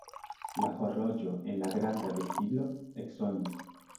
La horloĝo en la granda vestiblo eksonis.